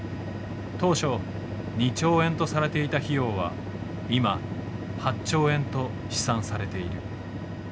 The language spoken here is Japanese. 当初２兆円とされていた費用は今８兆円と試算されている。